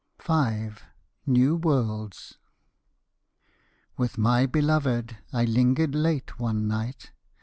V. NEW WORLDS. With my beloved I lingered late one night.